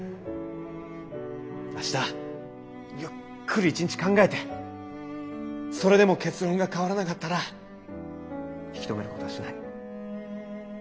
明日ゆっくり一日考えてそれでも結論が変わらなかったら引き止めることはしない。